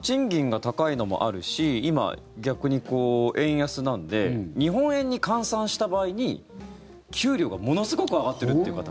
賃金が高いのもあるし今、逆に円安なんで日本円に換算した場合に給料が、ものすごく上がっているっていう方。